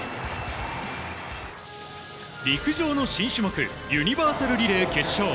陸上の新種目、ユニバーサルリレー決勝。